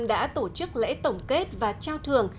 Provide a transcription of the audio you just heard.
đã tổ chức lễ tổng kết và trao thưởng